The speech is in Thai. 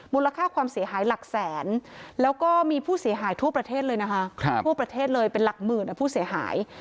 มูลค่าความเสียหายหลักแสนแล้วก็มีผู้เสียหายทั่วประเทศเลยนะคะทั่วประเทศเลยเป็นหลักหมื่นผู้เสียหาย